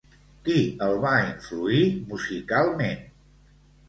Qui el va influir musicalment?